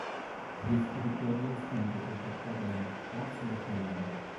His editorials ended with the tagline What's your opinion?